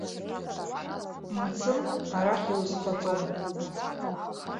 Мцым, арахь иузхаҵом.